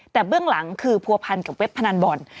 แต่เบื้องหลังคือผัวพันกับเว็บพนันบอล